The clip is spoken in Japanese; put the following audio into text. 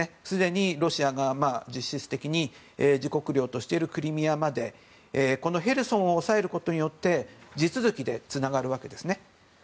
すでにロシアが実質的に自国領としているクリミアまでヘルソンを押さえることによって地続きでつながるわけですね。